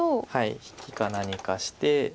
引きか何かして。